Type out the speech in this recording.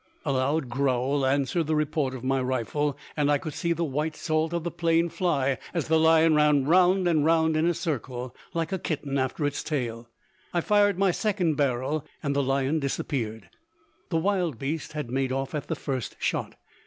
A loud growl answered the report of my rifle, and I could see the white salt of the plain fly as the lion ran round and round in a circle, like a kitten after its tail. I fired my second barrel and the lion disappeared. The wildbeest had made off at the first shot.